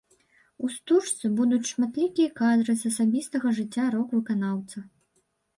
У стужцы будуць шматлікія кадры з асабістага жыцця рок-выканаўца.